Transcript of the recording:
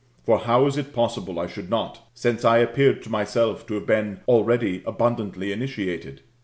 For how is it possible I should not ; since I appeared to myself to have been already initiated